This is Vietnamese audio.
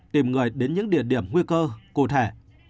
tìm người đến những địa điểm nguy cơ cụ thể